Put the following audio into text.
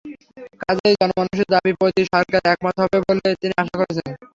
কাজেই জনমানুষের দাবির প্রতি সরকার একমত হবে বলে তিনি আশা করছেন।